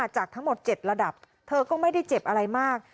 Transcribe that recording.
จากทั้งหมด๗ระดับเธอก็ไม่ได้เจ็บอะไรมาก